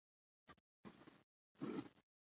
د وطن په ابادۍ کې ونډه واخلئ.